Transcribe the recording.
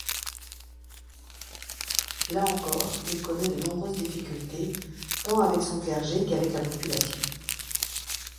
Là encore, il connaît de nombreuses difficultés tant avec son clergé qu'avec la population.